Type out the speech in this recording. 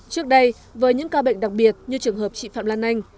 trước đây với những ca bệnh đặc biệt như trường hợp chị phạm lan anh